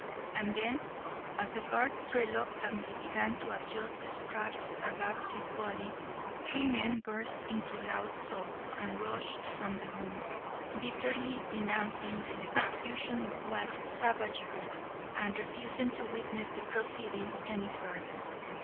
And then, as the guards reluctantly began to adjust the straps about his body, three men burst into loud sobs and rushed from the room, bitterly denouncing the electrocution as savagery, and refusing to witness the proceedings any further.